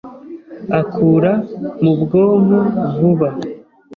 akura Mu bwonko vuba